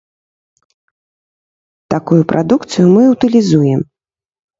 Такую прадукцыю мы ўтылізуем.